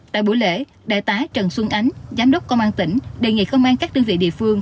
tại buổi lễ đại tá trần xuân ánh giám đốc công an tỉnh đề nghị công an các đơn vị địa phương